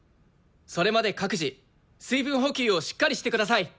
それまで各自水分補給をしっかりしてください。